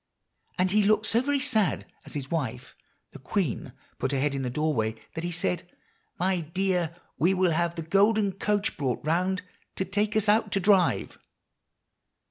And he looked so very sad as his wife, the queen, put her head in the doorway, that she said, 'My dear, we will have the golden coach brought around to take us out to drive.